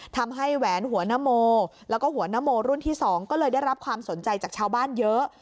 แหวนหัวนโมแล้วก็หัวนโมรุ่นที่๒ก็เลยได้รับความสนใจจากชาวบ้านเยอะ